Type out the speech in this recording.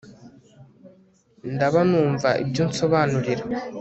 ndaba numva ibyo unsobanurira